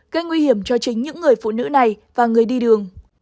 gây nguy hiểm cho chính những người phụ nữ này và người đi đường